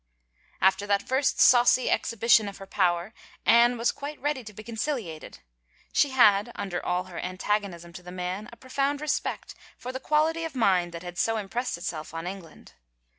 After that first saucy exhibition of her power, Anne was quite ready to be conciliated. She had, under all her antagonism to the man, a profoimd respect for the quality of mind that had so impressed itself on England.